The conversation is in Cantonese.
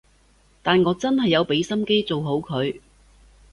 但我真係有畀心機做好佢